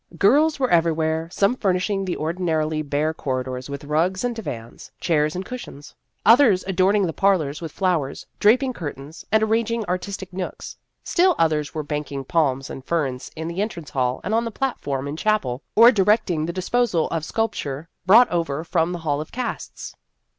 Girls were everywhere some furnishing the ordinarily bare corridors with rugs and divans, chairs and cushions ; others adorning the parlors with flowers, draping curtains, and arranging artistic nooks ; still others were banking palms and ferns in the entrance hall and on the platform in chapel, or directing the dis posal of sculpture brought over from the Hall of Casts.